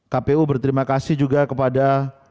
kpu berterima kasih juga kepada